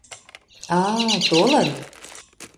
А-а, толын!